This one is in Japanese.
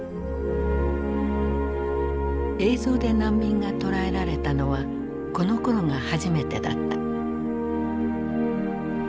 映像で難民が捉えられたのはこのころが初めてだった。